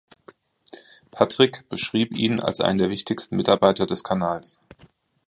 Patrick beschrieb ihn als einen der wichtigsten Mitarbeiter des Kanals.